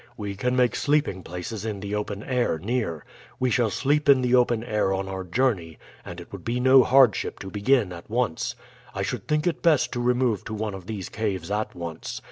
"We can make sleeping places in the open air near. We shall sleep in the open air on our journey, and it would be no hardship to begin at once. I should think it best to remove to one of these caves at once.